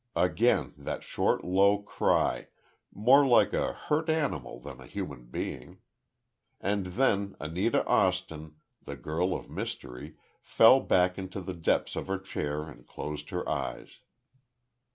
Again that short, low cry—more like a hurt animal than a human being. And then, Anita Austin, the girl of mystery fell back into the depths of her chair, and closed her eyes.